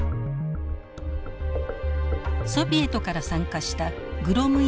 ソビエトから参加したグロムイコ大使。